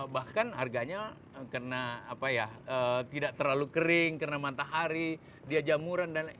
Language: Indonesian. bahkan harganya kena apa ya tidak terlalu kering kena matahari dia jamuran dan lain lain